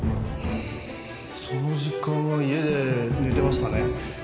その時間は家で寝てましたね。